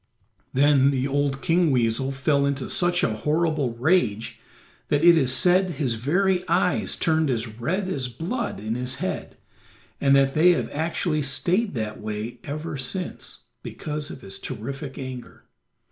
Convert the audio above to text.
Then the old King Weasel fell into such a horrible rage that it is said his very eyes turned as red as blood in his head, and that they have actually stayed that way ever since, because of his terrific anger.